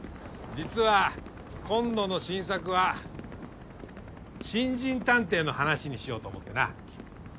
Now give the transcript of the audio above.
実は今度の新作は新人探偵の話にしようと思ってな。